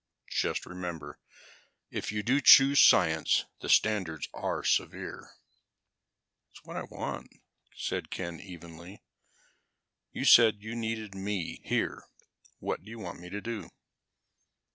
Just remember, if you do choose science the standards are severe." "It's what I want," said Ken evenly. "You said you needed me here. What do you want me to do?"